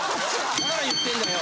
だから言ってんだよ。